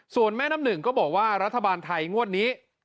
ส่วนแม่น้ำหนึ่งก็บอกว่ารัฐบาลไทยงวดนี้